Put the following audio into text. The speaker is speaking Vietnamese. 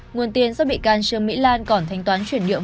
nguồn tiền do bị can trương mỹ lan còn thanh toán chuyển nhượng